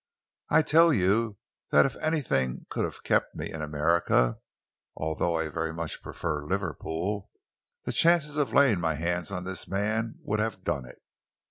I tell you that if anything could have kept me in America, although I very much prefer Liverpool, the chance of laying my hands on this man would have done it."